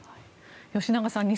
吉永さん